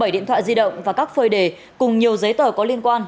bảy điện thoại di động và các phơi đề cùng nhiều giấy tờ có liên quan